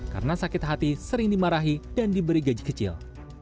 karena sakit hati sering dimarahi dan diberi gaji kecil